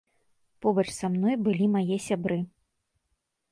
Побач са мной былі мае сябры.